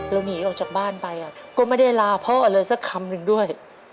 หนีออกจากบ้านไปก็ไม่ได้ลาพ่อเลยสักคำหนึ่งด้วย